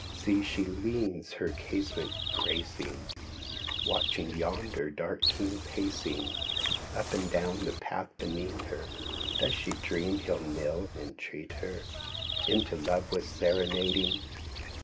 See, she leans, her casanent gracing. Watching yonder dark king pacing Up and down the paths beneath her. Does she dream hell kneel, entreat h«r Into love with serenading.